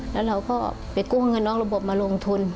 แล้วเราก็ไปกู้เงินนอกระบบมาลงทุน